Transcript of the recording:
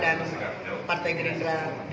dpw sulawesi utara dan pkb gerindra sulawesi utara itu